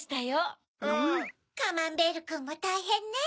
カマンベールくんもたいへんねぇ。